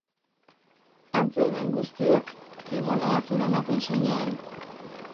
Han zeuden guztiek kimonoa zeramaten soinean.